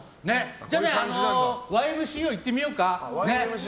じゃあね芸人のＹＭＣＡいってみようか。